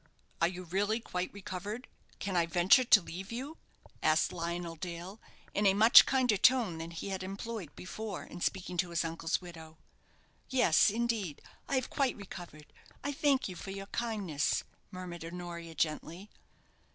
"Are you really quite recovered? Can I venture to leave you?" asked Lionel Dale, in a much kinder tone than he had employed before in speaking to his uncle's widow. "Yes, indeed, I have quite recovered. I thank you for your kindness," murmured Honoria, gently.